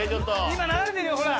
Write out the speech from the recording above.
今流れてるよほら。